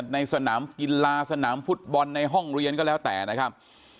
ในสนามกีฬาสนามฟุตบอลในห้องเรียนก็แล้วแต่นะครับ